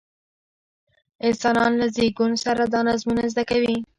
انسانان له زېږون سره دا نظمونه زده کوي.